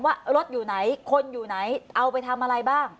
ว่ารถอยู่ไหนคนอยู่ไหนเอาไปทำอะไรบ้าง